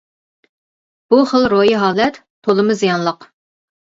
بۇ خىل روھىي ھالەت تولىمۇ زىيانلىق.